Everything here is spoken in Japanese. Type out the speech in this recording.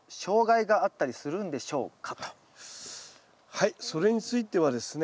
はいそれについてはですね